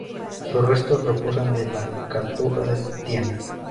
Sus restos reposan en la Cartuja de Tiana.